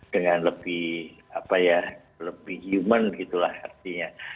dengan lebih human itulah artinya